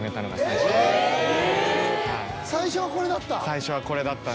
最初はこれだった？